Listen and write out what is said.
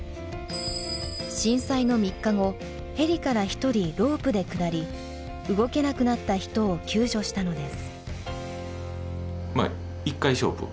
震災の３日後ヘリから１人ロープで下り動けなくなった人を救助したのです。